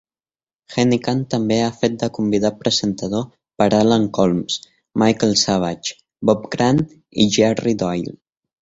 Henican també ha fet de convidat-presentador per Alan Colmes, Michael Savage, Bob Grant i Jerry Doyle.